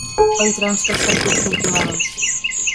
All transfers are good for two hours.